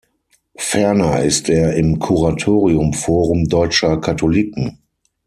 Ferner ist er im Kuratorium Forum Deutscher Katholiken.